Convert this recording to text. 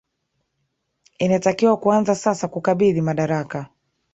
inatakiwa kuanza sasa kukabidhi madaraka